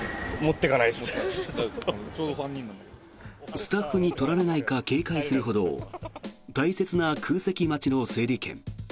スタッフに取られないか警戒するほど大切な空席待ちの整理券。